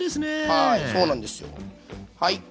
はいそうなんですよ。はい。